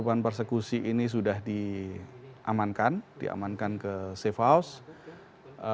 korban persekusi ini sudah diamankan diamankan ke safe house